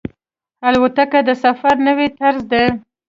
الوتکه د سفر نوی طرز دی.